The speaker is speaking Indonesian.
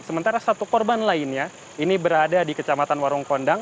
sementara satu korban lainnya ini berada di kecamatan warung kondang